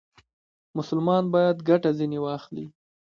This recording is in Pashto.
مسلمان باید ګټه ځنې واخلي.